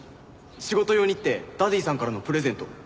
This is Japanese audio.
仕事用にってダディさんからのプレゼント。